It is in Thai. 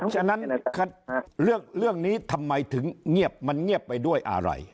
ฉะนั้นเรื่องนี้ทำไมถึงเงียบมันเงียบไปด้วยอะไร